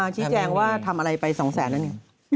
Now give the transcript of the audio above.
ชี้แจงว่าทำอะไรไป๒แสนแล้ว